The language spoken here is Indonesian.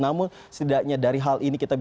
namun setidaknya dari hal ini kita